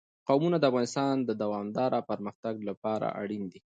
قومونه د افغانستان د دوامداره پرمختګ لپاره اړین دي.